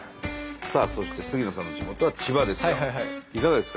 さあそして杉野さんの地元は千葉ですがいかがですか？